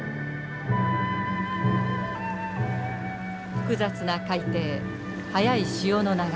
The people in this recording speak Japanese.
複雑な海底速い潮の流れ。